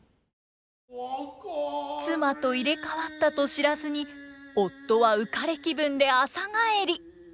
妻と入れ代わったと知らずに夫は浮かれ気分で朝帰り！